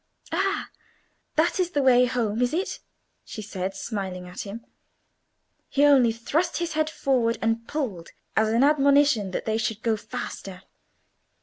"Ah, that is the way home, is it?" she said, smiling at him. He only thrust his head forward and pulled, as an admonition that they should go faster.